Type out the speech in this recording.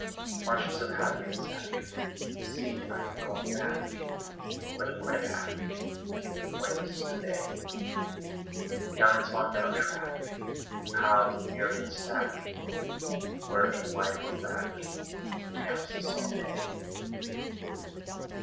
Marshes of Hackensack, See, I am going back Where the Quinnipiac Winds to the bay, Down its long meadow track, Piled with the myriad stack, Where in wide bivouac Camps the salt hay.